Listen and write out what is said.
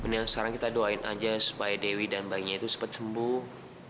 nah sekarang kita doain aja supaya dewi dan bayinya itu sempat sembuh